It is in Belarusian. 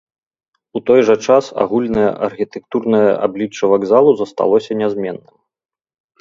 У той жа час агульнае архітэктурнае аблічча вакзалу засталося нязменным.